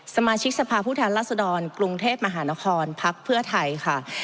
สมาชิกสภาพผู้แทนรัศดรกรุงเทพมหานครพักเพื่อไทยค่ะ